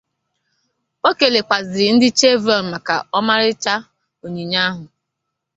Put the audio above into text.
O kelekwazịrị ndị Chevron maka ọmarịcha onyinye ahụ